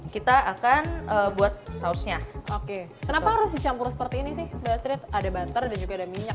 kita akan buat sausnya oke kenapa harus dicampur seperti ini sih mbak sri ada butter dan juga ada minyak